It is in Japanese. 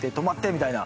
みたいな。